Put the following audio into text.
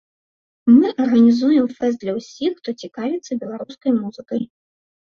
Мы арганізуем фэст для ўсіх, хто цікавіцца беларускай музыкай.